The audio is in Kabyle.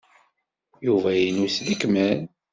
Yuba inu s lekmal.